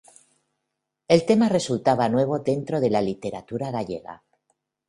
El tema resultaba nuevo dentro de la literatura gallega.